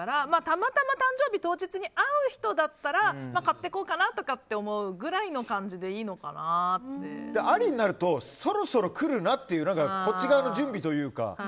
たまたま誕生日当日に会う人だったら買っていこうかなって思うくらいの感じでありになるとそろそろ来るなっていうこっち側の準備というか。